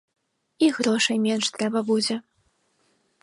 І грошай менш трэба будзе.